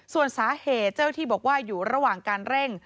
ส่วนสาเหตุเจ้าที่บอกว่าอยู่ระหว่างการเร่ง